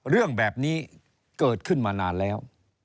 เรื่องแบบนี้เกิดขึ้นมานานแล้ว